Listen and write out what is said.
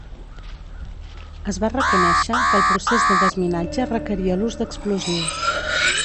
Es va reconèixer que el procés de desminatge requeria l'ús d'explosius.